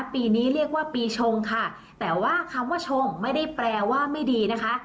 ปีนี้เรียกว่าปีชงค่ะแต่ว่าคำว่าชงไม่ได้แปลว่าไม่ดีนะคะ